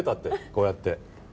こうやって。